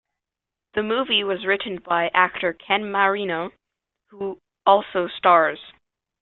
The movie was written by actor Ken Marino, who also stars.